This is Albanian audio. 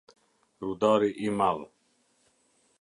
Rudari i Madhë